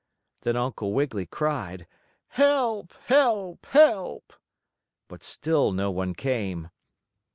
Then Uncle Wiggily cried: "Help! Help! Help!" but still no one came.